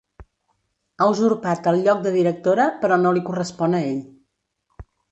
Ha usurpat el lloc de directora, però no li correspon a ell.